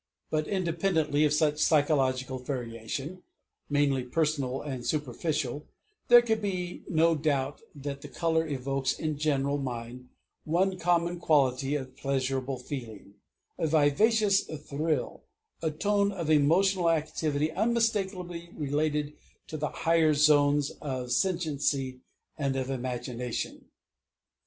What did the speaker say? But independently of such psychological variation mainly personal and superficial, there can be no doubt that the color evokes in the general mind one common quality of pleasurable feeling, a vivacious thrill, a tone of emotional activity unmistakably related to the higher zones of sentiency and of imagination.